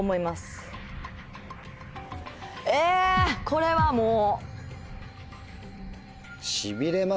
これはもう。